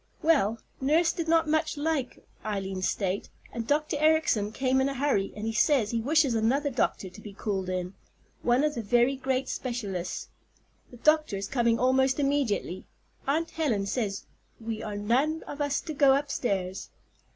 "Well, nurse did not much like Eileen's state, and Dr. Ericson came in a hurry, and he says he wishes another doctor to be called in, one of the very great specialists. The doctor is coming almost immediately. Aunt Helen says we are none of us to go upstairs.